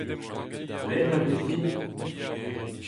Lenn a blij dit ?